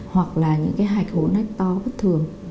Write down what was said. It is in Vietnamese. hoặc là những cái hạch hỗn ách to bất thường